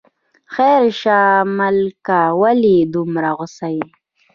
خیر شه ملکه، ولې دومره غوسه یې.